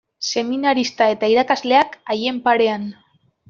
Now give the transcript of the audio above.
Seminarista eta irakasleak haien parean.